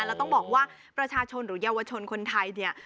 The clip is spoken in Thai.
แล้วต้องบอกว่าประชาชนหรือเยาวชนคนไทยเนี่ย